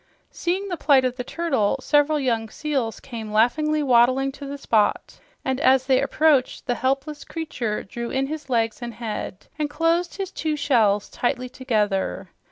Seeing the plight of the turtle, several young seals came laughingly wabbling to the spot, and as they approached the helpless creature drew in his legs and head and closed his two shells tightly together.